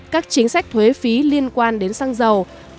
các chính sách thuế phí liên quan đến xăng dầu